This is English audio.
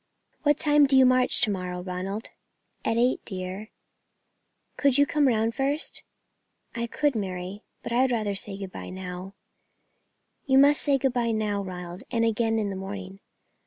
"What time do you march to morrow, Ronald?" "At eight, dear." "Could you come round first?" "I could, Mary; but I would rather say good bye now." "You must say good bye now, Ronald, and again in the morning.